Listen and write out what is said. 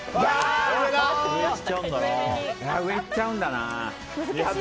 上行っちゃうんだな。